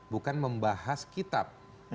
bukan membahas kitab